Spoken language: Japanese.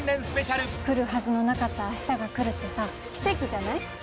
スペシャル・来るはずのなかった明日が来るってさ奇跡じゃない？